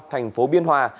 thành phố biên hòa